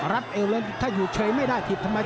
รัดเอลถ้าอยู่เฉยไม่ได้ทีพทำไม